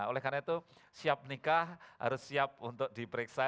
oleh karena itu siap nikah harus siap untuk diperiksa